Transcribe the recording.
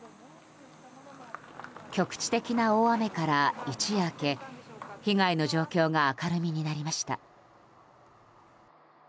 局地的な大雨から一夜明け被害の状況が明るみになりました。